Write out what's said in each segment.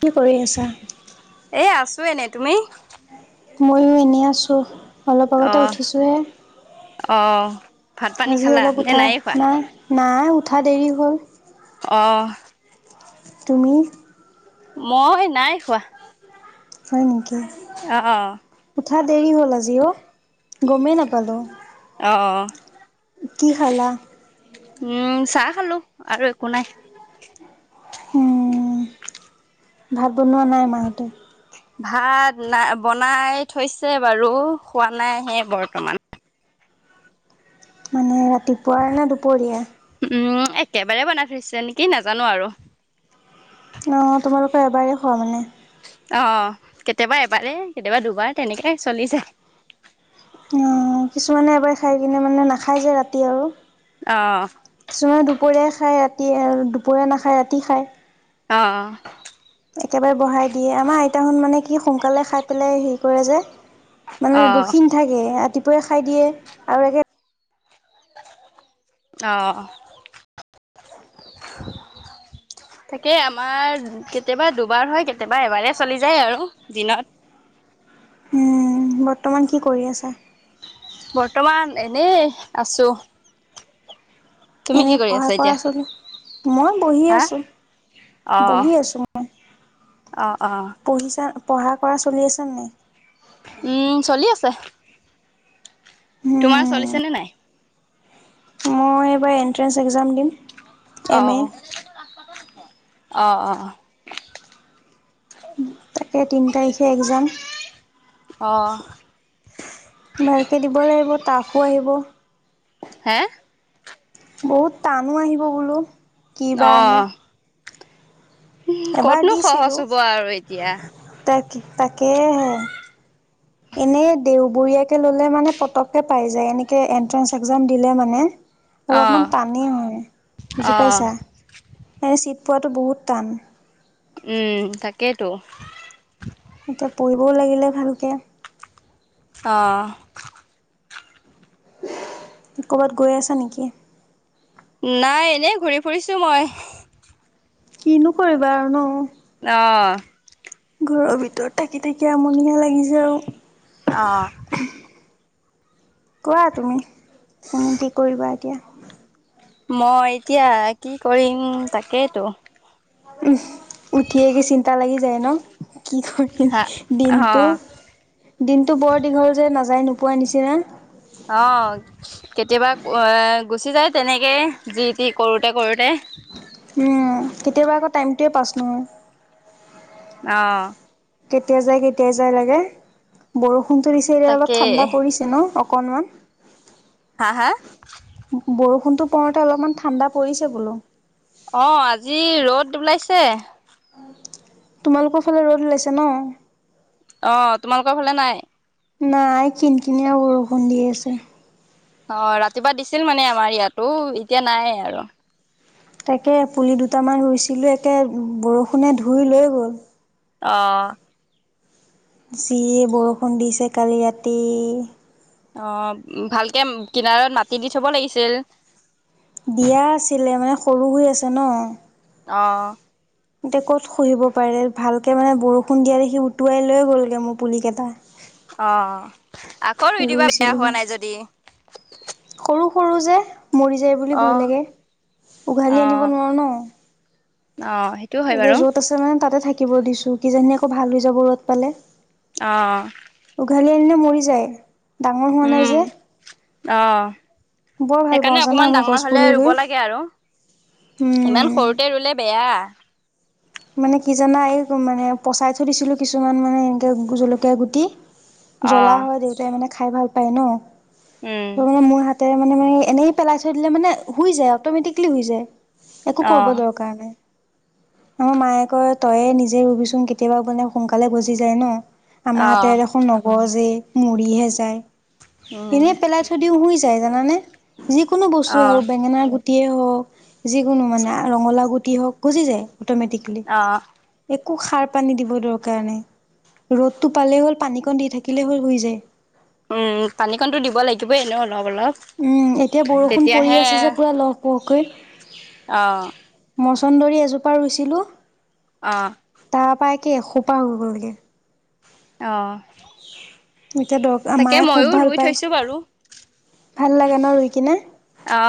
কি কৰি আছা? এ আছো, এনে তুমি মইয়ো এনেই আছোঁ অলপ আগতে উঠিছোঁহে অ আজি অলপ উঠা না নাই উঠা দেৰি হ'ল। অ' তুমি মই নাই খোৱা। হয় নেকি। অ অ উঠা দেৰি হ'ল আজি অ' গমেই নাপালোঁ অহ। কি খালা! উম চাহ খালো আৰু একো নাই। উম ভাত বনোৱা নাই মাহতে ভাত না বনাই থৈছে বাৰু খোৱা নাই হে বৰ্তমান নাই ৰাতিপুৱাৰ নে দুপৰীয়া উম একেবাৰে বনাই থৈছে নেকি নাজানো আৰু অ তোমালোকৰ এবাৰেই খোৱা মানে অ কেতিয়াবা এবাৰে কেতিয়াবা দুবাৰ তেনেকে চলি যায়। অ কিছুমানে এবাৰ খাই কিনে মানে নাখাই যে ৰাতি আৰু অহ, চৱে দুপৰীয়া খাই ৰাতি আৰু দুপৰীয়া নাখায় ৰাতি খায়। অ অ একেবাৰে বঢ়াই দিয়ে আমাৰ আইতাহঁত মানে কি সোনকালে খাই পেলাই হেৰি কৰে যে মানে অহ, ৰখি নেথাকে ৰাতিপুৱাই খাই দিয়ে আৰু একে অ থাকেই আমাৰ কেতিয়াবা দুবাৰ হয় কেতিয়াবা এবাৰে চলি যায় আৰু দিনত [inaudible] উম বৰ্তমান কি কৰি আছা বৰ্তমান এনেই আছো তুমি এনে কি কৰি পাৰ আছা এতিয়া কৰা চলো মই বহি হা আছো অ বহি আছো মই অ অ পঢ়িছা পঢ়া কৰা চলি আছে নাই উম চলি আছে। তোমাৰ উম চলিছে নে নাই মই এইবাৰ এণ্ট্ৰেন্ঞ্চ একজাম দিম এম এ আহ আহ আহ তাকে তিনি তাৰিখে এক্জাম আঁহ ভালকে দিব লাগিব টাফো আহিব হে বহুত টানো আহিব বোলো কি বা অ আহে এবাৰ ক'তনো সহজ দিছিলো হ'ব আৰু এতিয়া তাক তাকেহে এনেই দেওবৰীয়াকে ললে মানে পতককে পাই যায় এনেকে এনট্ৰেঞ্চ একজাম দিলে মানে অ অলপমান টানে হয় অ বুজি পাইছা ছিট পোৱাটো বহুত টান উম তাকেইতো এতিয়া পঢ়িবও লাগিলে ভালকে অ ক'ৰবাত গৈ আছা নেকি নাই এনেই ঘূৰি ফুৰিছো মই কিনো কৰিবা আৰু ন আহ ঘৰৰ ভিতৰত থাকি থাকি আমনীয়ে লাগিছে আৰু আহ কোৱা তুমি এনে কি কৰিবা এতিয়া মই এতিয়া কি কৰিম তাকেইতো উম উঠিয়ে কি চিন্তা লাগি যায় ন কি কৰিম হা দিনতটো অ দিনটো বৰ দীঘল যে নাযায় ন পোৱা নিছিনা অ কেতিয়াবা এ গুচি যায় তেনেকে যি টি কৰোতে কৰোতে কেতিয়াবা আকৌ টাইমটোৱে পাছ নহয় আহ কেতিয়া যাই কেতিয়াই যাই লাগে বৰষুণতো দিছে অলপ তাকে ঠাণ্ডা পৰিছে ন অকণ হা হা বৰষুণটো পৰুতে অলপমান ঠাণ্ডা পৰিছে বোলো অ আজি ৰ'দ ওলাইছে তোমালোকৰ ফালে ৰ'দ ওলাইছে ন অ তোমালোকৰ ফালে নাই নাই কিন কিনিয়া বৰষুণ দি আছে অ ৰাতিপুৱা দিছিল মানে আমাৰ ইয়াতো এতিয়া নাই আৰু তাকে পুলি দুটামান ৰুইছিলো একে বৰষুণে ধুই লৈ গ'ল আহ্ যি বৰষুণ দিছে কালি ৰাতি অ ভালকে কিনাৰত মাটি দি থব লাগিছিল দিয়া আছিলে মানে সৰু হৈ আছে ন অ এয়া ক'ত শুহিব পাৰে ভালকে মানে বৰষুণ দিয়া দেখি উটুৱাই লৈ গ'লগে মোৰ পুলি কেইটা। অ আকৌ ৰুই দিবা বেয়া হোৱা ৰুইছিলোহে। নাই যদি। সৰু সৰু যে মৰি যায় বুলি ভয় অ', লাগে, উঘালি অ', আনিব নোৱাৰো ন। অ', সেইটো হয় এতিয়া বাৰু যত আছে মানে তাতে থাকিব দিছো কিজানিনি আকৌ ভাল হৈ যাব ৰদ পালে। আহ উঘালি আনিলে মৰি যায়, ডাঙৰ হোৱা নাই উম, যে। অ', বৰ ভাল পাওঁ সেইকাৰণে জানা অকমান মই ডাঙৰ গছ হলে পুলি ৰুব ৰুই লাগে আৰু। ইমান উম। সৰুতে ৰুলে বেয়া। মানে কি জানা এই মানে পচাই থৈ দিছিলো কিছুমান মানে এনেকে জলকীয়া গুটি। অ জ্বলা হয় দেউতাই মানে খাই ভাল পায় ন, উম ত মানে মোৰ হাত। ততে মানে মে এনেই পেলাই থৈ দিলে মানে শ যায় অটমেটিকেলি হৈ যায়। একো অ কৰিব দৰকাৰ নাই। ন মায়ে কয় তইয়ে নিজে ৰবিচোন কেতিয়াবা মানে সোনকালে গজি যায় ন। আমাৰ অ হাতে দেখোন নগ যে এই মৰিহে যায়, উম এনে পেলাই থদিও শুই যায়। জানে যিকোনো অ বস্তুয়ে হওক বেঙেনা গুটিয়েই হওক। যিকোনো মানে ৰঙলা গুটি হওক গুজি যায়, অটমেটিকেলি। অ একো সাৰ পানী দিব দৰকাৰ নাই ৰ'দটো পালেই হ'ল পানীকণ দি থাকিলেই হ'ল শ যায়। উম পানীকণতো দিব লাগিবইে ন। অলপ অলপ, উম, এতিয়া বৰষুণ পৰি তেতিয়াহে। আছে যে পুৰা লহ পহকৈ অহ। মচন্দৰী এজোপা ৰুইছিলোঁ। অহ তাৰ পৰাই কেসোপা হৈ গ'ল নগে। অহ। এতিয়া দৰ মায়ে খুব ভাল পায়। বাৰু ভাল লাগে ন ৰুই কিনে। অ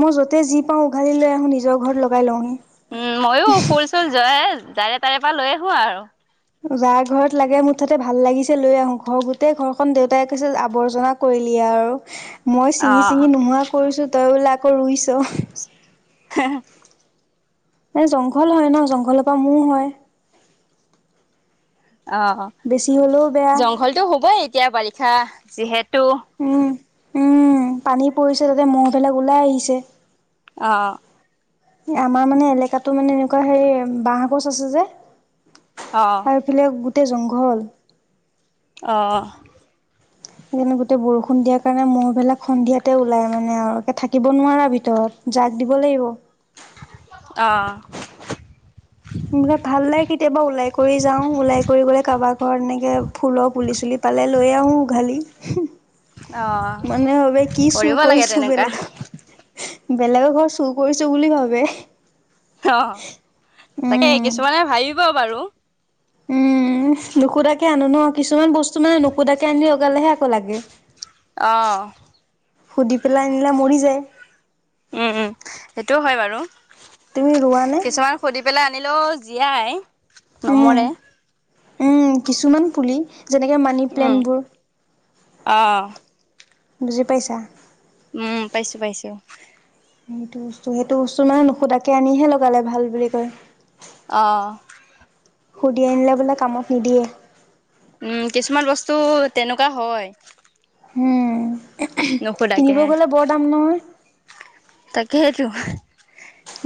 মই য'তে যি পাওঁ উঘালি লৈ আহোঁ নিজৰ ঘৰত লগাই লওঁহি। উম মইো ফুল চুল য জাৰে তাৰে পৰা লৈ আহো আৰু। যাৰ ঘৰত লাগে মুঠাতে ভাল লাগিছে লৈ আহো ঘৰ গোটেই ঘৰখনন দেউতাই কৈছে আৱৰ্জনা কৰিলি। এয়া আৰু মই অ চিঙি চিঙি নোহোৱা কৰিছো তই বোলে আকৌ ৰুইছ। হ। এ জংঘল হয় ন জংঘলৰ পৰা মৌ হয়। অ, বেছি হ'লেও বেয়া জংঘলটো হ'বই এতিয়া বাৰিষা যিহেতো। উম, উম পানী পৰিছে তাতে মহবিলাক ওলাই আহিছে। অ। আমাৰ মানে এলেকাতো মানে এনেকুৱা হে বাহ গছ আছে যে। অ আৰু এফালে গোটেই জংঘল। অঁ। সেইকাৰণে গোটেই বৰষুণ দিয়াৰ কাৰণে মৌবেলাক সন্ধিয়াতে ওলাই মানে আৰুে থাকিব নোৱাৰা ভিতৰত। জাক দিব লাগিব। আহঁ। ভাল লাগে কেতিয়াবা ওলাই কৰি যাও ওলাই কৰি গ'লে কাৰোবাৰ ঘৰত এনেকে ফুলৰ পুলি চুলি। পালে লৈ আহোঁ উঘালি। অ মানুহে ভাবে কি চুৰ কৰিব লাগে কৰিছো তেনেকুৱা বেলেগত। বেলেগৰ ঘৰ চুৰ কৰিছো বুলি ভাবে। অ তাকে উম কিছুমানে ভাবিব বাৰু। উম নুখুতাকে আনো ন। কিছুমান বস্তু মানে নুকুতাকে আনি লগালেহে আকৌ লাগে। অ সুধি পেলাই আনিলে মৰি যায়। উম উম সেইটোও হয় বাৰু, তুমি ৰোৱানে কিছুমান সুধি পেলাই আনিলেও। জীয়াই উম নমৰে। উম কিছুমান পুলি যেনেকে মানি উম প্লেণ্টবোৰ। অ বুজি পাইছা? উম পাইছো পাইছো। সেইটো বস্তু সেইটো বস্তু মানে নহুদাকে আনিহে লগালে ভাল বুলি কয়। অ সুধি আনিলে বোলে কামক নিদিয়ে। উম কিছুমান বস্তু তেনেকুৱা হয়। উম নুসুধাকে কিনিব গলে বৰ দাম নহয়। তাকেহেটো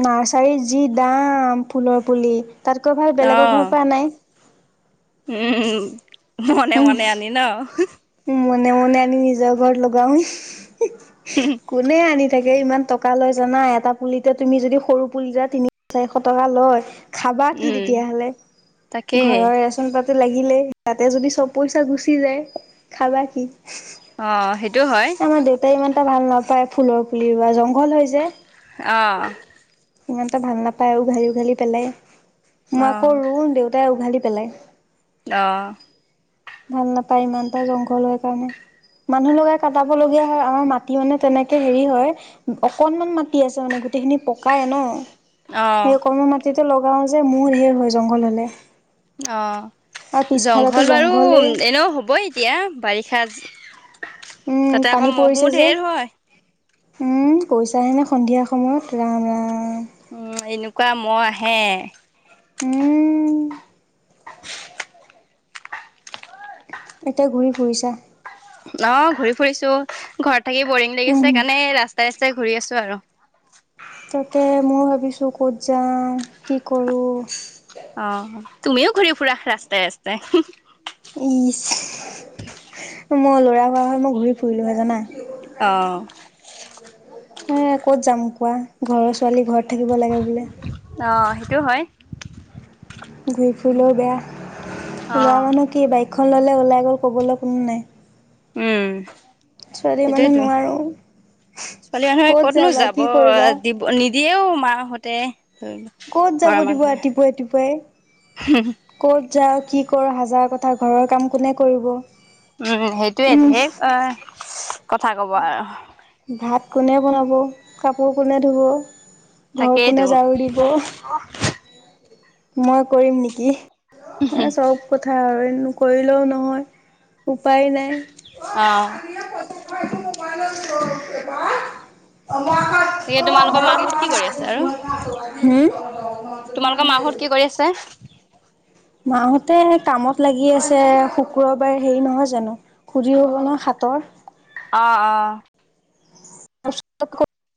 নাৰ্চাৰী যি দাম ফুলৰ পুলি তাতকৈ ভাল অ বেলেগৰ ঘৰ পৰা নাই। উম মনে উম, মনে আনি ন মনে মনে আনি নিজৰ ঘৰত লগাও কোনে আনি তাকে ইমান টকা লয় জানাই এটা পুলিতে তুমি যদি সৰু পুলিতে তিনি চাৰিশ টকা লয়। খাবা কি উম তেতিয়া হ'লে তাকেই ঘৰৰ ৰেচন পাত লাগিলে তাতে যদি চব পইচা গুচি যায় খাবা কি অ সেইটো হয় আমাৰ দেউতাই ইমান এটা ভাল নাপায় ফুলৰ পুলি ৰুৱা জংঘল হৈ যে অ ইমানটা ভাল নাপায় উঘালি উঘালি পেলাই মই অ আকৌ ৰু দেউতাই উঘালি পেলাই অ ভাল নাপায় ইমানটা জংঘল হয় কাৰণে মানুহ লগাই কাটাব লগীয়া হয়। আমাৰ মাটি মানে তেনেকে হেৰি হয়। অকনমান মাটি আছে মানে। গোটেইখিনি পকাই ন অ সেই ককণ মাটিটো লগাওঁ যে মূৰ ঢেৰ হয় জংঘল হ'লে অ আৰু পিছফালেতো জংঘল বাৰু জংঘলেই এনেও হবই এতিয়া বাৰিষা উম তাতে আকৌ পানী মহো পৰিছে যে। ঢেৰ হয়। উম কৈছাহে নে সন্ধিয়া সময়ত ৰাম ৰাম উম এনেকুৱা মহ আহে। উম [inaudible] এতিয়া ঘূৰি ফুৰিছা? অ ঘূৰি ফুৰিছো ঘৰত থাকি বৰিং [inaudible] লাগিছে উম। কাৰণে ৰাস্তাই ৰাস্ত তাই ঘূৰি আছো আৰুৰ্ তাতে ময় ভাবিছোঁ ক'ত যাওঁ কি কৰো অ তুমিও ঘূৰি ফুৰা ৰাস্তাই ৰাস্তাই ইচ মই লৰা হোৱা হয় মই ঘূৰি ফুৰিলো হয়ে জানা। অ অ ক'ত যাম কোৱা ঘৰৰ ছোৱালী ঘৰত থাকিব লাগে বোলে। টো হয় ঘুৰি ফুৰিলেও বেয়া অ লৰা মানুহ কি বাইক এখন ল'লে ওলাই গ'ল ক'বলৈ কোনো নাই। উম ছোৱালী মানুহ সেইটোয়েইতো নোৱাৰো ছোৱালী মানুহে ক'ত কতনো যাবা যাব কি কৰিবা দিব নিব দিয়েও মাহতে ধৰিল ক'ত যাব ঘৰৰ দিব মানুহে ৰাতিপুৱাই হুম য কি কৰ হাজাৰ কথা ঘৰৰ কাম কোনে কৰিব। উম সেইটোয়ে উম ঢেৰ অ কথা কব আৰু ভাত কোনে বনাব কাপোৰ কোনে ধুব ঘৰ কোনে তাকেইতো জাৰু দিব। মই কৰিম নেকি এ চব কথা আৰু কৰিলেও নহয় উপায় নাই অ [inaudible] তোমালোকৰ মাহত কি কৰি আছে আৰু তোমালোকৰ মাহত কি কৰি আছ ছে মাহতে কামত লাগি আছে শুক্ৰবাৰ হেৰি নহয় জানো কৰিওনৰ হাতৰ অ অ [inaudible]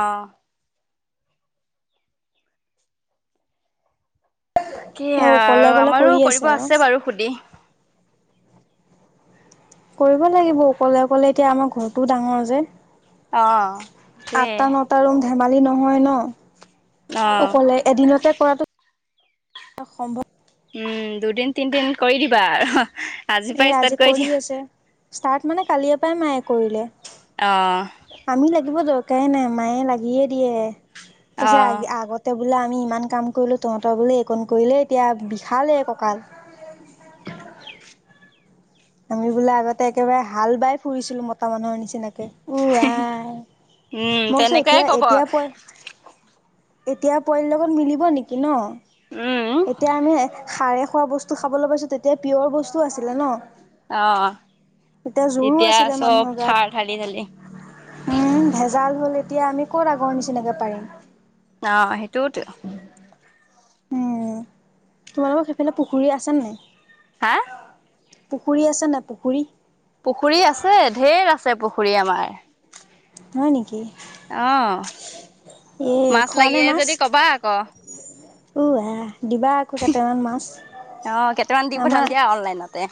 অহ কি অকলে অকলে কৰি আমাৰো কৰিব আৰু আছে বাৰু সুদি কৰিব লাগিব অকলে অকলে এতিয়া আমাৰ ঘৰটোও ডাঙৰ যে অ সেইয়ে আঠটা নটা ৰুম ধেমালি নহয় ন অ অকলে এদিনতে কৰাটো সম্ভৱ উম দুদিন তিনিদিন কৰি দিবা আৰু আজিৰ এই পৰাই আজি ষ্টাৰ্ট কৰি দিয়া আছে ষ্টাৰ্ট মানে কালি পৰাই মায়ে কৰিলে অ আমি লাগিব ধৰক কাই নাই মায়ে লাগিয়ে দিয়ে অ কৈছে আগতে বোলে আমি ইমান কাম কৰিলোঁ তহত বোলে একণ কৰিলে এতিয়া বিশালেই কঁকাল [unintelligible] আমি বোলে আগতে একেবাৰে হাল বাই ফুৰিছিলো মতা মানুহৰ নিচি নিচিনাকে উ উম আহ মইচোন তেনেকুৱাই এতিয়া কব এতিয়া তই এতিয়া পোৱালিৰ লগত মিলিব নেকি ন উম এতিয়া আমি সাৰে খোৱা বস্তু খাবলৈ পাইছোঁ তেতিয়া পিয়ৰ বস্তু আছিলে ন অ তেতিয়া জোৰো এতিয়া আছিলে চব মানুহৰ সাৰ ঢালি ঢালি গাত উম ভেজাল হ'ল এতিয়া আমি ক'ত আগৰ নিচিনাকৈ পাৰিম অ সেইটোৱেতো উম তোমালোকৰ সেইফালে পুখুৰী আছে নাই হা পুখুৰী আছে না পুখুৰী পুখুৰী আছে ধেৰ আছে পুখুৰী আমাৰ হয় নেকি অহ এই মাছ খোৱানে লাগে মাছ যদি কবা আকৌ উ আহ দিবা আকৌ কেইটামান মাছ অ কেইটামান দি পঠাম আমাৰ দিয়া অনলাইনতে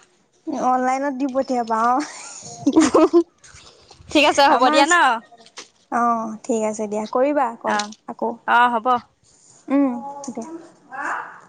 অনলাইনত দি পঠিয়াবা অ উ হু হু আমাৰ অ ঠিক আছে দিয়া কৰিবা কল অ', আকৌ অ', হ'ব। উম হব